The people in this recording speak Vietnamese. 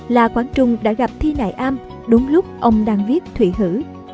la quán trung đã gặp thi nại am đúng lúc ông đang viết thủy hữ